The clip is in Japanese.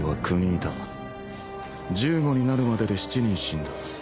１５になるまでで７人死んだ